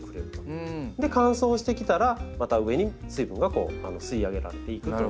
で乾燥してきたらまた上に水分が吸い上げられていくという。